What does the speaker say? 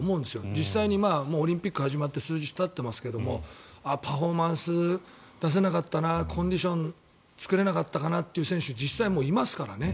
実際にオリンピック始まって数日たってますけどパフォーマンス出せなかったなコンディション作れなかったなという選手は実際もう、いますからね。